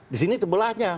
di sini tebelahnya